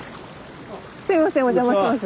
すいませんお邪魔します。